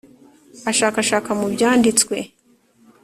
ashakashaka mu Byanditswe